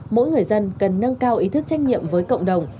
mỗi người dân cần nâng cao ý thức trách nhiệm với cộng đồng